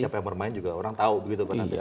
siapa yang bermain juga orang tahu begitu kan nanti